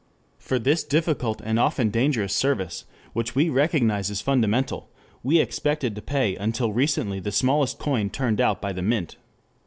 For this difficult and often dangerous service, which we recognize as fundamental, we expected to pay until recently the smallest coin turned out by the mint.